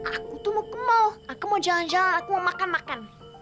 aku tuh mau ke mall aku mau jalan jalan aku mau makan makan